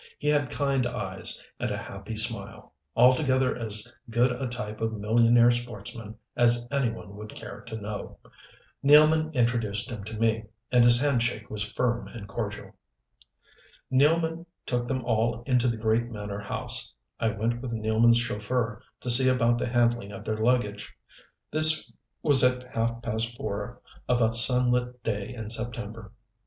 He had kind eyes and a happy smile altogether as good a type of millionaire sportsman as any one would care to know. Nealman introduced him to me, and his handshake was firm and cordial. Nealman took them all into the great manor house: I went with Nealman's chauffeur to see about the handling of their luggage. This was at half past four of a sunlit day in September.